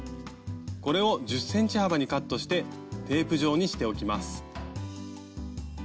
これを１０ｃｍ幅にカットしてテープ状にしておきます。